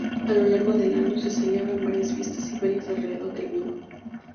A lo largo del año se celebran varias fiestas y ferias alrededor del vino.